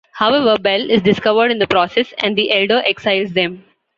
However, Bel is discovered in the process, and the elder exiles them.